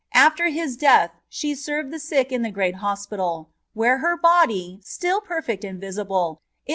After bis death she served the sick in the Great Hospital, where her body, stili per * Ben. XIV.